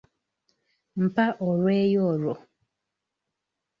Mpa olweyo olwo.